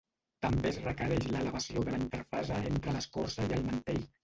També es requereix l'elevació de la interfase entre l'escorça i el mantell.